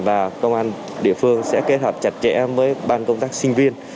và công an địa phương sẽ kết hợp chặt chẽ với ban công tác sinh viên